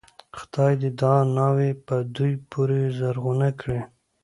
خدای دې دا ناوې په دوی پورې زرغونه کړي.